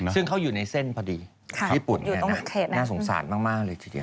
ซึ่งเขาอยู่ในเส้นพอดีชีวิตรญี่ปุ่นแน่นะน่าสงสารมากโดยเฉพาะ